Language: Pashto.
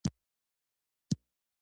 آیا موږ صادقان یو؟